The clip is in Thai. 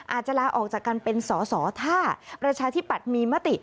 อาจจะลาออกจากการเป็นสอสอถ้าประชาธิปัตย์มีมติ